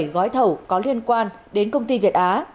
bảy gói thầu có liên quan đến công ty việt á